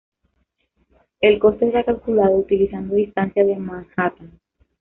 El costo está calculado utilizando distancia de Manhattan.